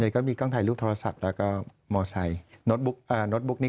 ก็มีกล้องถ่ายรูปโทรศัพท์แล้วก็มอใช